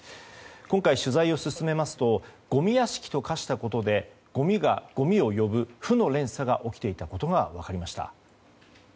今回、取材を進めますとごみ屋敷と化したことでごみがごみを呼ぶ負の連鎖が起きていたことが分かりました。